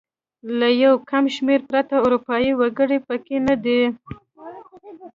له یو کم شمېر پرته اروپايي وګړي پکې نه دي.